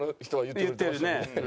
言ってるね。